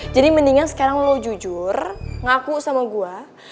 jadi mendingan sekarang lo jujur ngaku sama gue